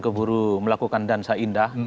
keburu melakukan dansa indah